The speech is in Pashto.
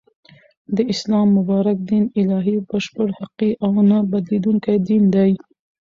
د اسلام مبارک دین الهی ، بشپړ ، حقیقی او نه بدلیدونکی دین دی